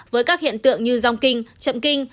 với các hiện tượng như rong kinh chậm kinh